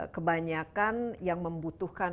kebanyakan yang membutuhkan